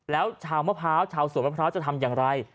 แล้วชาวส่วนมะพร้าวจะทำอย่างไร